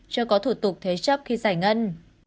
cho có thủ tục thế chấp khi giải ngân